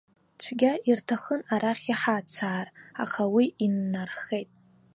Цәгьа ирҭахын арахь иҳацаар, аха уи иннархеит.